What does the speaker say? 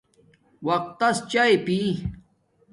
وقت تس چاݵے پی